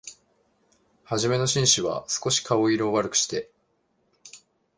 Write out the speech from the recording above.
はじめの紳士は、すこし顔色を悪くして、